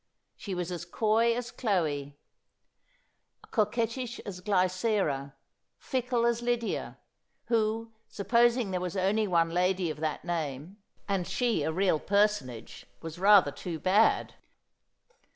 She was as coy as Chloe ; coquettish as Glycera ; fickle as Lydia, who, supposing there was only one lady of that name, and she a real personage, was rather too bad.